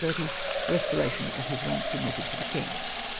— Kestoratiou of his rank submitted to the King.